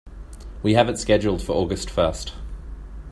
We have it scheduled for August first.